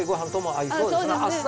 あっそうですね。